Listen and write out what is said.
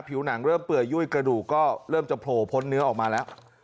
ผิวหนังเริ่มเปื่อยยุ่ยกระดูกก็เริ่มจะโผล่พ้นเนื้อออกมาแล้ว